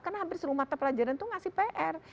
karena hampir seluruh mata pelajaran itu ngasih pr